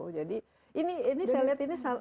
jadi ini saya lihat ini masalahnya sangat penting